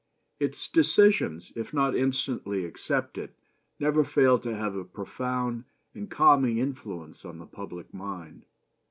Its decisions, if not instantly accepted, never fail to have a profound and calming influence on the public mind.